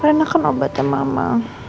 rena kan obatnya mama